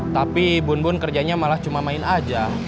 tapi bun bun kerjanya malah cuma main aja